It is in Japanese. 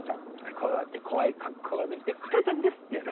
こうやって怖い格好で来て「クロちゃんです」ってやる。